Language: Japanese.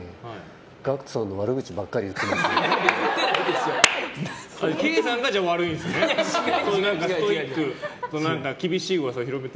ＧＡＣＫＴさんの悪口ばっかり言ってますって。